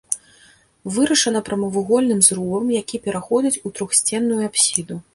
Вырашана прамавугольным зрубам, які пераходзіць у трохсценную апсіду.